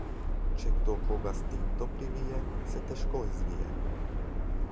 Če kdo koga s tinto privije, se težko izvije.